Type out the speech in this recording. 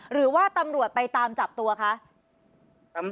หรือว่าตำรวจไปตามจับตัวคะ